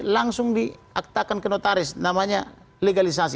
langsung diaktakan ke notaris namanya legalisasi